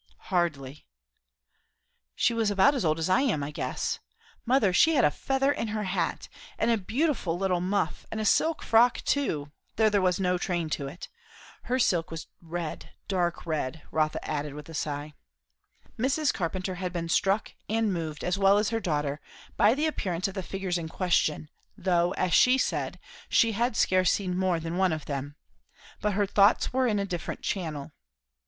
"Hardly." "She was about as old as I am, I guess. Mother, she had a feather in her hat and a beautiful little muff, and a silk frock too, though there was no train to it. Her silk was red dark red," Rotha added with a sigh. Mrs. Carpenter had been struck and moved, as well as her daughter, by the appearance of the figures in question, though, as she said, she had scarce seen more than one of them. But her thoughts were in a different channel.